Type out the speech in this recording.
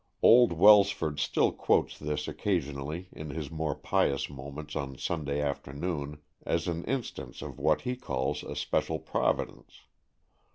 Old Wels ford still quotes this occasionally in his more pious moments on Sunday afternoon, as an instance of what he calls a special providence.